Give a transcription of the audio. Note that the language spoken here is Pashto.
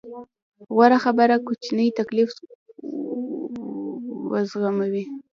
غوره خبره کوچنی تکليف وزغمو.